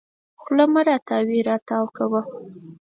خوله مه تاوې راو تاوې کوه.